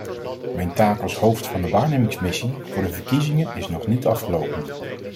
Mijn taak als hoofd van de waarnemingsmissie voor de verkiezingen is nog niet afgelopen.